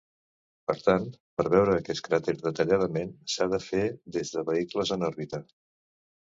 Per tant, per veure aquest cràter detalladament s'ha de fer des de vehicles en òrbita.